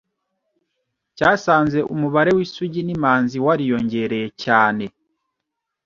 cyasanze umubare w'isugi n'imanzi wariyongereye cyane